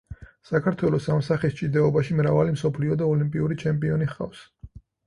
საქართველოს ამ სახის ჭიდაობაში მრავალი მსოფლიო და ოლიმპიური ჩემპიონი ჰყავს.